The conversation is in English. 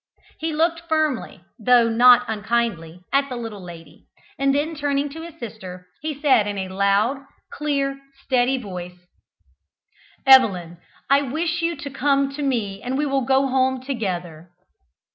He looked firmly though not unkindly at the little lady, and then, turning to his sister, he said in a loud, clear, steady voice, "Evelyn, I wish you to come to me and we will go home together."